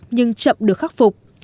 nhưng chậm được khắc phục